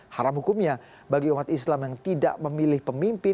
haram hukumnya bagi umat islam yang tidak memilih pemimpin